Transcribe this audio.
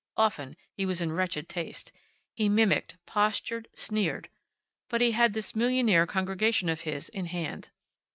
Often he was in wretched taste. He mimicked, postured, sneered. But he had this millionaire congregation of his in hand.